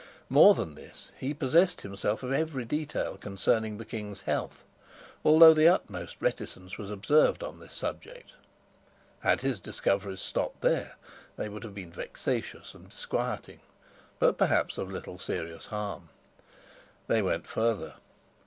More than this, he possessed himself of every detail concerning the king's health, although the utmost reticence was observed on this subject. Had his discoveries stopped there, they would have been vexatious and disquieting, but perhaps of little serious harm. They went further.